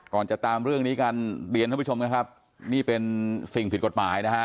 จะตามเรื่องนี้กันเรียนท่านผู้ชมครับนี่เป็นสิ่งผิดกฎหมายนะฮะ